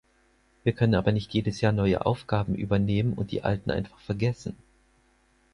Wir können aber nicht jedes Jahr neue Aufgaben übernehmen und die alten einfach vergessen.